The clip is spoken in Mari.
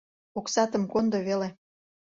Оксатым кондо веле.